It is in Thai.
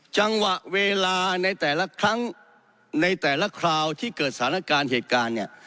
จังหวะเวลาในแต่ละครั้งในแต่ละคราวที่เกิดสถานการณ์เหตุการณ์เนี่ย